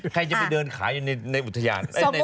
ใครจะไปเดินขายอยู่ในอุทยาน